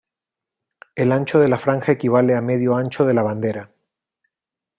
El ancho de la franja equivale a medio ancho de la bandera.